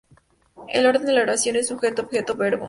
El orden de la oración es Sujeto-Objeto-Verbo.